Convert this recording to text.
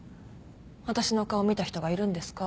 私の顔見た人がいるんですか？